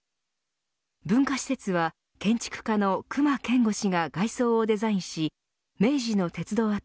文化施設は建築家の隈研吾氏が外装をデザインし明治の鉄道跡